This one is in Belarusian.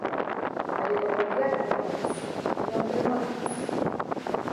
Але пакуль я трымаюся, ён трымаецца.